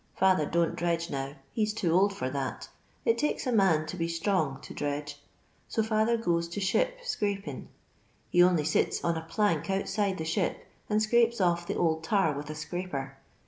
Father don't dredge now, he a too old for that ; it takes a man to be strong to dredge, so fitther goes to ship scrapin'. He on'y sits on a plank ontside the ship, and scrapes off the old tar with a Kraper.